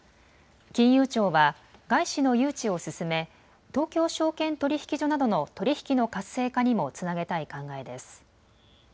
金融庁は外資の誘致を進め東京証券取引所などの取り引きの活性化にもつなげたい考えです。